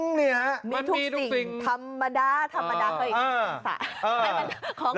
มันมีทุกสิ่งธรรมดาธรรมดาเขาอีกสัตว์